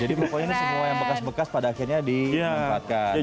jadi pokoknya ini semua yang bekas bekas pada akhirnya di manfaatkan